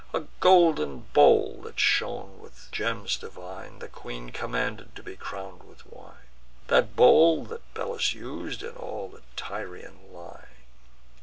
A golden bowl, that shone with gems divine, The queen commanded to be crown'd with wine: The bowl that Belus us'd, and all the Tyrian line.